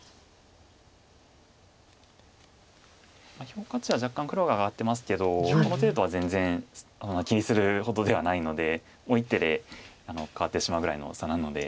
評価値は若干黒が上がってますけどこの程度は全然気にするほどではないので１手で変わってしまうぐらいの差なので。